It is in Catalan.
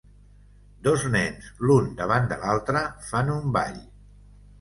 Dos nens l'un davant de l'altre fan un ball.